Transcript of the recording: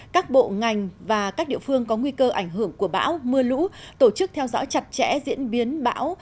các bộ ngành và các địa phương có nguy cơ ảnh hưởng của bão mưa lũ tổ chức theo dõi chặt chẽ diễn biến bão